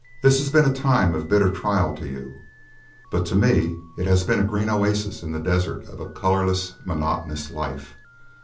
This has been a time of bitter trial to you, but to me it has been a green oasis in the desert of a colourless, monotonous life.